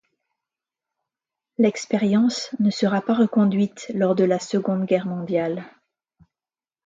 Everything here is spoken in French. L'expérience ne sera pas reconduite lors de la Seconde Guerre mondiale.